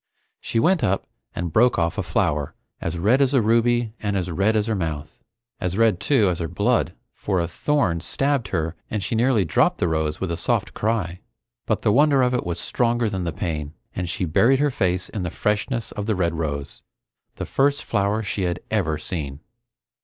She went up and broke off a flower as red as a ruby and as red as her mouth. As red, too, as her blood, for a thorn stabbed her and she nearly dropped the rose with a soft cry. But the wonder of it was stronger than the pain, and she buried her face in the freshness of the red rose, the first flower she had ever seen.